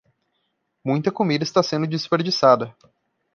Muita comida está sendo desperdiçada.